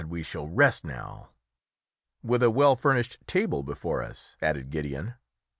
we shall rest now!" "With a well furnished table before us," added Gideon.